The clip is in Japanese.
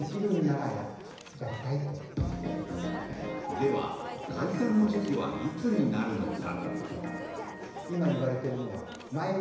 では、解散の時期はいつになるのか。